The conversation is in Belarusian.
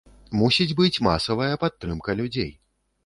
Мусіць быць масавая падтрымка людзей.